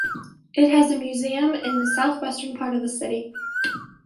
It has a museum in the southwestern part of the city.